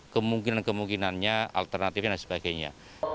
kemungkinan kemungkinannya alternatifnya dan sebagainya